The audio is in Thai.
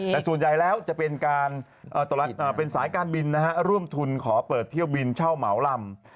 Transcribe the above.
แต่ส่วนใหญ่แล้วจะเป็นการเป็นสายการบินร่วมทุนขอเปิดเที่ยวบินเช่าเหมาลำ